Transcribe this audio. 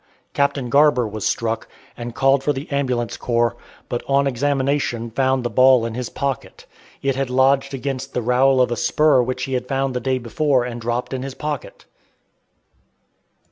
Captain Garber was struck, and called for the ambulance corps, but on examination found the ball in his pocket. It had lodged against the rowel of a spur which he found the day before and dropped in his pocket.